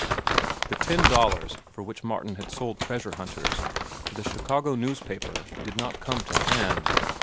The ten dollars for which Martin had sold "Treasure Hunters" to the Chicago newspaper did not come to hand.